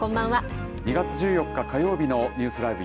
２月１４日火曜日のニュースＬＩＶＥ！